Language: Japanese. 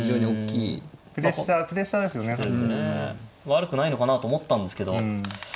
悪くないのかなと思ったんですけど。